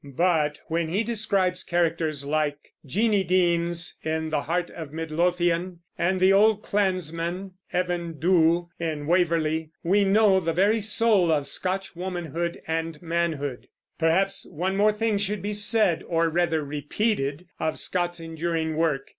But when he describes characters like Jeanie Deans, in The Heart of Midlothian, and the old clansman, Evan Dhu, in Waverley, we know the very soul of Scotch womanhood and manhood. Perhaps one thing more should be said, or rather repeated, of Scott's enduring work.